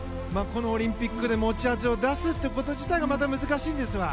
オリンピックで持ち味を出すこと自体がまた難しいんですが。